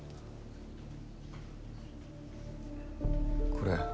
これ。